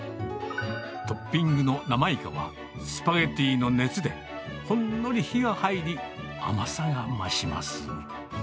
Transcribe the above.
トッピングの生イカは、スパゲティの熱でほんのり火が入り、甘さが増します。